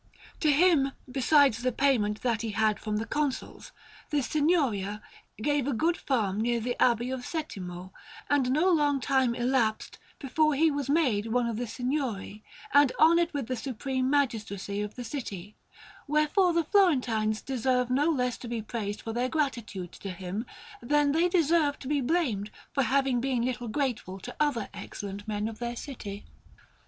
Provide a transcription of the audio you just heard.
To him, besides the payment that he had from the Consuls, the Signoria gave a good farm near the Abbey of Settimo, and no long time elapsed before he was made one of the Signori, and honoured with the supreme magistracy of the city; wherefore the Florentines deserve no less to be praised for their gratitude to him, than they deserve to be blamed for having been little grateful to other excellent men of their city.